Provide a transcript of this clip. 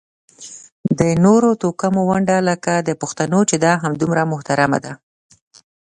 د نورو توکمونو ونډه لکه د پښتنو چې ده همدومره محترمه ده.